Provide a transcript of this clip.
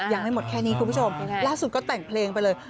ยังไม่หมดแค่นี้คุณผู้ชมล่าสุดก็แต่งเพลงไปเลย